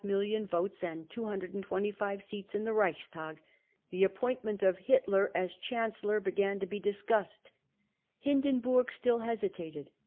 million votes and 225 seats in the Reichstag), the appointment of Hitler as Chancellor began to be dis cussed, Hindenburg still hesitated.